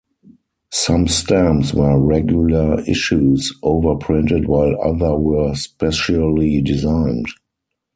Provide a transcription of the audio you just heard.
Some stamps were regular issues overprinted while other were specially designed.